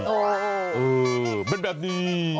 โอ่เป็นแบบนี้